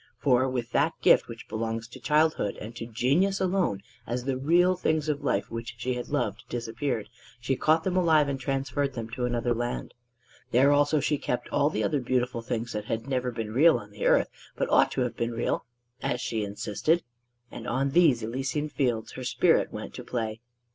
For with that gift which belongs to childhood and to genius alone, as the real things of life which she had loved disappeared, she caught them alive and transferred them to another land. There also she kept all the other beautiful things that had never been real on the earth but ought to have been real, as she insisted; and on these Elysian Fields her spirit went to play.